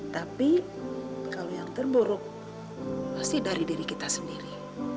tapi kalau yang terburuk pasti dari diri kita sendiri